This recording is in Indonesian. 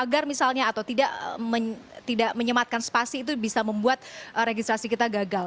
agar misalnya atau tidak menyematkan spasi itu bisa membuat registrasi kita gagal